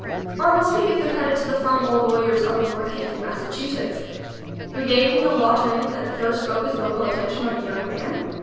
Or must we give the credit to the firm of old law yers up in Northampton, Mass., who gave him the law training that first focused local attention on the young man?